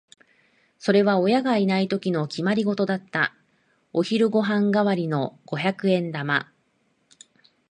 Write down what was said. それは親がいないときの決まりごとだった。お昼ご飯代わりの五百円玉。